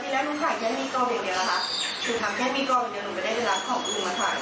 บางวันผู้ใจก็ไม่มีใครเห็นบางวันผู้ใจก็นิ่ง